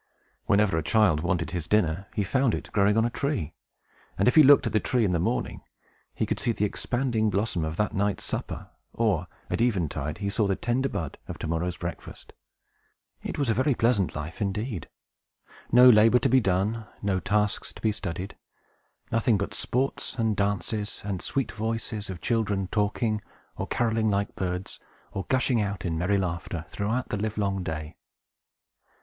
Whenever a child wanted his dinner, he found it growing on a tree; and, if he looked at the tree in the morning, he could see the expanding blossom of that night's supper; or, at eventide, he saw the tender bud of to morrow's breakfast. It was a very pleasant life indeed. No labor to be done, no tasks to be studied; nothing but sports and dances, and sweet voices of children talking, or carolling like birds, or gushing out in merry laughter, throughout the livelong day.